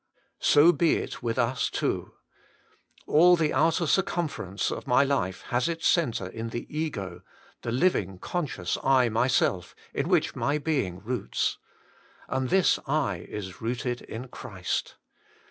So be it with us too. All the outer circumference of my life has its centre in the ego the liaing, conscious I myself, in which my being roots. And this I is rooted in Christ.